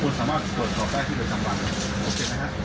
คุณสามารถกดต่อไปที่ประจำวันโอเคไหมครับ